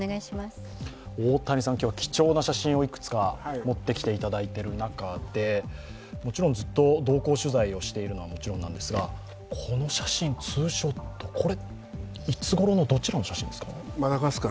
大谷さんには貴重な写真をいくつか持ってきていただいている中でずっと同行取材をしているのはもちろんなんですがこの写真、ツーショット、いつごろのどちらの写真ですか？